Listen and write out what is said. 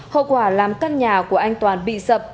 hậu quả làm căn nhà của anh toàn bị sập